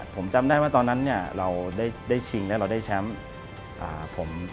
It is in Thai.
ผมจำได้ว่าตอนนั้นเนี่ยเราได้ชิงและเราได้แชมป์